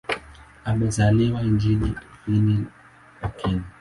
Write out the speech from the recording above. Amezaliwa nchini Ufini lakini.